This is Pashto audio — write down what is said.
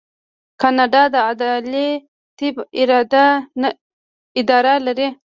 کاناډا د عدلي طب اداره لري.